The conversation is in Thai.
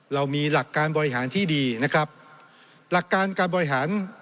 เรามีหลักการบริหารที่ดีนะครับหลักการการบริหาร